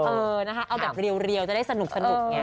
เออนะคะเอาแบบเรียวจะได้สนุกไง